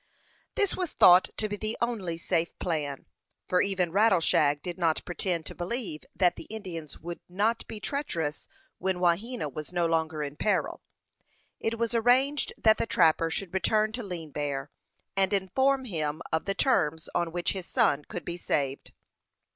This was thought to be the only safe plan, for even Rattleshag did not pretend to believe that the Indians would not be treacherous when Wahena was no longer in peril. It was arranged that the trapper should return to Lean Bear, and inform him of the terms on which his son could be saved.